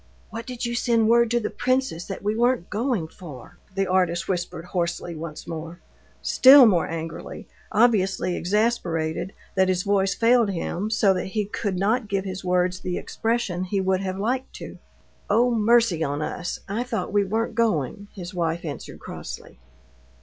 "What did you send word to the princess that we weren't going for?" the artist whispered hoarsely once more, still more angrily, obviously exasperated that his voice failed him so that he could not give his words the expression he would have liked to. "Oh, mercy on us! I thought we weren't going," his wife answered crossly.